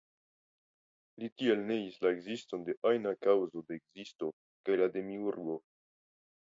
Li tiel neis la ekziston de ajna kaŭzo de ekzisto kaj la demiurgo.